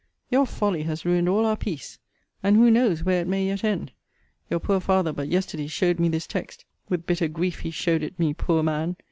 Your folly has ruined all our peace. And who knows where it may yet end? Your poor father but yesterday showed me this text: With bitter grief he showed it me, poor man!